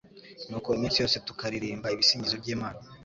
Nuko iminsi yose tukaririmba ibisingizo by’Imana